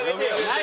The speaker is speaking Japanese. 何？